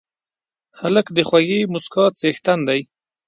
هلک د خوږې موسکا څښتن دی.